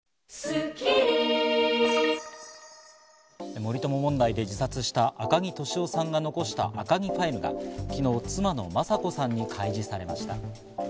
森友問題で自殺した赤木俊夫さんが残した赤木ファイルが昨日、妻の雅子さんに開示されました。